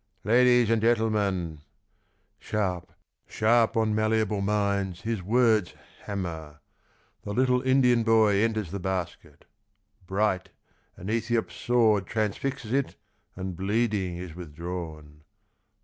" Ladies and gentlemen ...." Sharp, sharp on malleable minds his words Hammer. The little Indian boy Enters the basket. Bright, an Ethiop's sword Transfixes it and bleeding is withdrawn.